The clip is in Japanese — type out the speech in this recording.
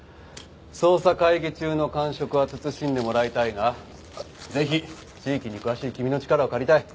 捜査会議中の間食は慎んでもらいたいがぜひ地域に詳しい君の力を借りたい。